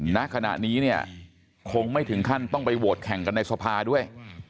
ณขณะนี้เนี่ยคงไม่ถึงขั้นต้องไปโหวตแข่งกันในสภาด้วย